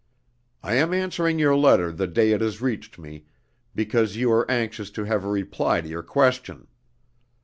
I am answering your letter the day it has reached me, because you are anxious to have a reply to your question.